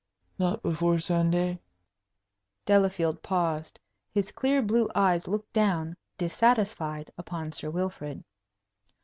"Not before Sunday?" Delafield paused. His clear blue eyes looked down, dissatisfied, upon Sir Wilfrid.